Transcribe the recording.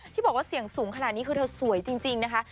ที่บอกว่าเสี่ยงสูงขนาดนี้คือเธอสวยจริงนะคะ